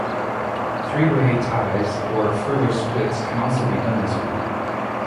Three-way ties or further splits can also be done this way.